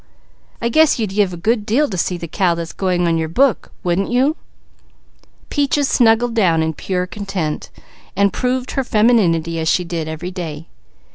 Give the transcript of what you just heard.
You'd give a good deal to see the cow that's going on your book, wouldn't you?" Peaches snuggled down in pure content and proved her femininity as she did every day.